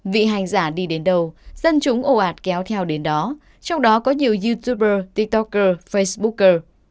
vị hành giả đi đến đâu dân chúng ồ ạt kéo theo đến đó trong đó có nhiều youtuber tiktoker facebooker